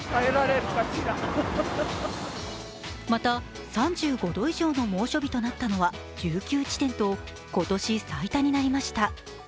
また、３５度以上の猛暑日となったのは１９地点と今年最多になりました。